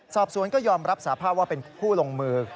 สอบสวนก็ยอมรับสาภาพว่าเป็นผู้ลงมือ